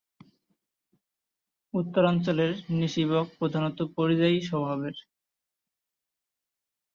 উত্তরাঞ্চলের নিশি বক প্রধানত পরিযায়ী স্বভাবের।